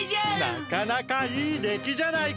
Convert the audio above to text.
なかなかいいできじゃないか。